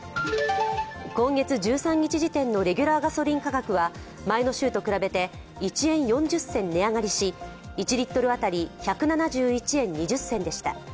今月１３日時点のレギュラーガソリン価格は前の週と比べて１円４０銭値上がりし、１リットル当たり１７１円２０銭でした。